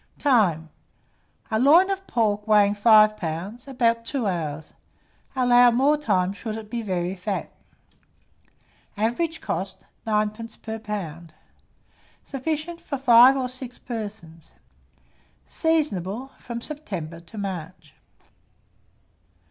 Time. A loin of pork weighing 5 lbs., about 2 hours: allow more time should it be very fat. Average cost, 9d. per lb. Sufficient for 5 or 6 persons. Seasonable from September to March.